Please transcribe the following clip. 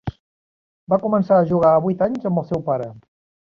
Va començar a jugar a vuit anys amb el seu pare.